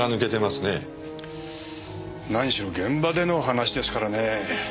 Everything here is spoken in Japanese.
何しろ現場での話ですからねえ。